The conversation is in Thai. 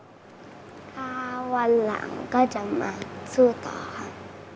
วันหลังก็จะมาสู้ต่อครับ